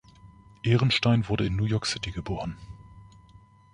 Ehrenstein wurde in New York City geboren.